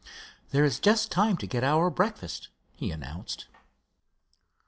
"There's just time to get our breakfast," he announced.